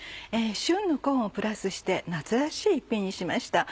旬のコーンをプラスして夏らしい一品にしました。